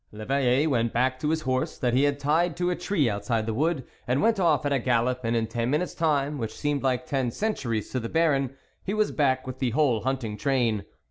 L'Eveille went back to his horse, that he had tied to a tree outside the wood, and went off at a gallop, and in ten minutes' time, which seemed like ten centuries to the Baron, he was back with the whole hunting train.